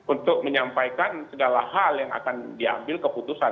untuk menyampaikan segala hal yang akan diambil keputusan